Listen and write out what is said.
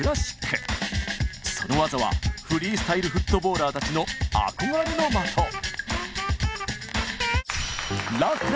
その技はフリースタイルフットボーラーたちの憧れの的！えっ⁉え！